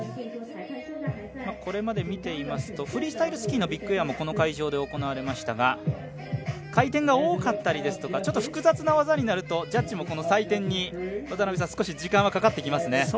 これまで見ていますとフリースタイルスキーのビッグエアもこの会場で行われましたが回転が多かったりですとかちょっと複雑な技になるとジャッジも採点に少し時間はかかってきますね。